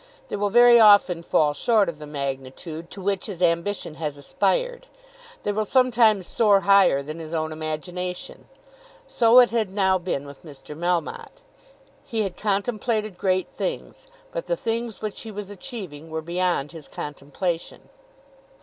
They will very often fall short of the magnitude to which his ambition has aspired. They will sometimes soar higher than his own imagination. So it had now been with Mr. Melmotte. He had contemplated great things; but the things which he was achieving were beyond his contemplation.